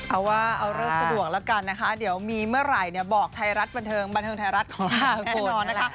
เอาว่าเอาเริ่มสะดวกละกันนะคะเดี๋ยวมีเมื่อไหร่บอกบรรเทิงไทยรัฐของเราแน่นอนนะคะ